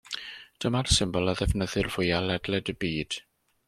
Dyma'r symbol a ddefnyddir fwyaf ledled y byd.